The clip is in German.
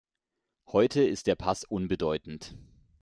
Heute ist der Pass unbedeutend.